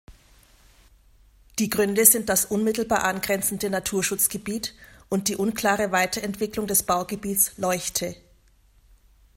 Die Gründe sind das unmittelbar angrenzende Naturschutzgebiet und die unklare Weiterentwicklung des Baugebiets "Leuchte".